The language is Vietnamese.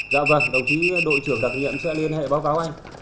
dạ vâng đồng chí đội trưởng đặc niệm sẽ liên hệ báo cáo anh